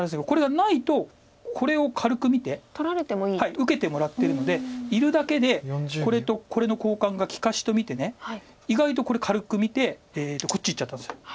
受けてもらってるのでいるだけでこれとこれの交換が利かしと見て意外とこれ軽く見てこっちいっちゃったんです。